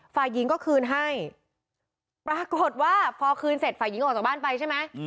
ฝ่ายหญิงก็คืนให้ปรากฏว่าพอคืนเสร็จฝ่ายหญิงออกจากบ้านไปใช่ไหม